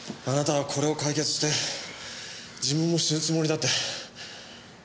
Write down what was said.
あなたはこれを解決して自分も死ぬつもりだって。